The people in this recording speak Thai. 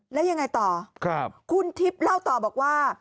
แล้วยังไงต่อคุณทิพย์เล่าต่อบอกว่า